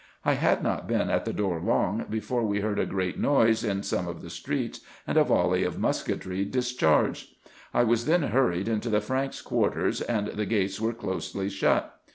I had not been at the door long, before we heard a great noise in some of the streets, and a volley of musketry discharged. I was then hurried into the Franks' quarter, and the gates were closely shut.